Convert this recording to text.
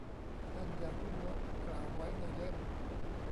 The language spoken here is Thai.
ท่านยาคุโมะกล่าวไว้ในเล่ม